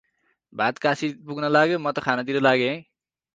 भात कासी पुग्न लाग्यो म त खानतिर लागे है।